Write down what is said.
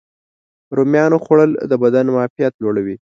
رومیانو خوړل د بدن معافیت لوړوي.